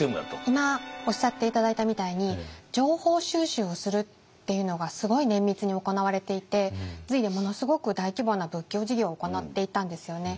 今おっしゃって頂いたみたいに情報収集をするっていうのがすごい綿密に行われていて隋でものすごく大規模な仏教事業を行っていたんですよね。